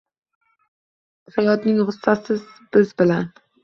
Hayotning g’ussasi biz bilan